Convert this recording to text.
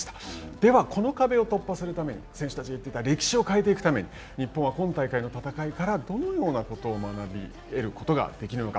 では、この壁を突破するために、選手たちが言っていた歴史を変えていくために日本は今大会の戦いからどのようなことを学び得ることができるのか